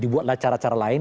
dibuatlah cara cara lain